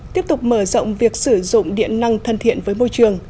tiếp tục mở rộng việc sử dụng điện năng thân thiện với môi trường